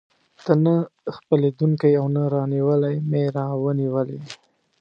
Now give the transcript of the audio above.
ته نه خپلېدونکی او نه رانیولى مې راونیولې.